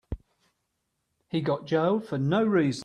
He got jailed for no reason.